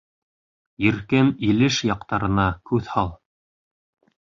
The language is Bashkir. — Иркен Илеш яҡтарына күҙ һал.